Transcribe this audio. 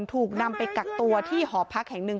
ถูกนำไปกักตัวที่หอพักแห่งหนึ่ง